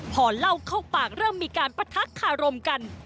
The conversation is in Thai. พอเล่าเข้าปากเริ่มมีการปะทะคารมกัน